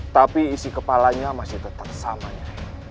tapi isi kepalanya masih tetap samanya